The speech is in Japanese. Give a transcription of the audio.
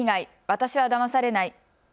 私はだまされない。